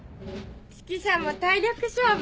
指揮者も体力勝負。